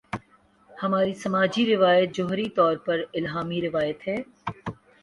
ہماری سماجی روایت جوہری طور پر الہامی روایت ہے۔